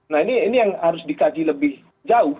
nah ini yang harus dikaji lebih jauh